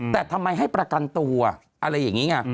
แต่ทำไมให้ประกันตัวอะไรอย่างนี้ไง